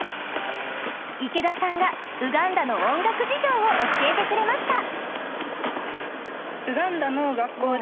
池田さんがウガンダの音楽事情を教えてくれました。